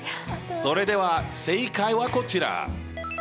それでは正解はこちら。